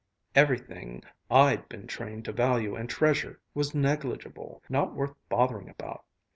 Everything I'd been trained to value and treasure was negligible, not worth bothering about.